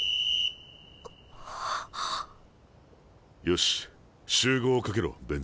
よし集合をかけろ弁禅。